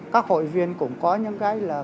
các hội viên cũng có những cái là